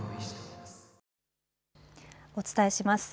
お伝えします。